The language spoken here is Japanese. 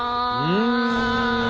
うん。